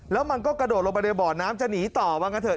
แล้วมันก็กระโดดลงไปในบ่อน้ำจะหนีต่อว่างั้นเถ